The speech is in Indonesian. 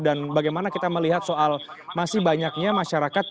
dan bagaimana kita melihat soal masih banyaknya masyarakat